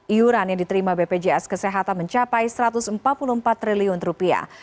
iuran yang diterima bpjs kesehatan mencapai satu ratus empat puluh empat triliun rupiah